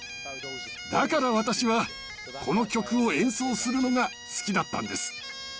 だから私はこの曲を演奏するのが好きだったんです。